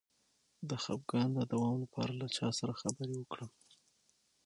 د خپګان د دوام لپاره له چا سره خبرې وکړم؟